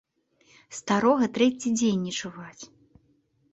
Старога трэці дзень не чуваць!